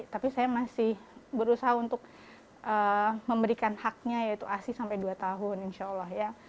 tapi saya masih berusaha untuk memberikan haknya yaitu asi sampai dua tahun insya allah ya